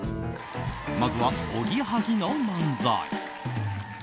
まずは、おぎやはぎの漫才。